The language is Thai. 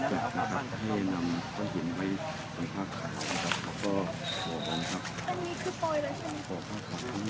กลับมาครับให้นำว่าหินไว้สัมภาษณ์ขาวนะครับ